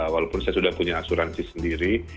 walaupun saya sudah punya asuransi sendiri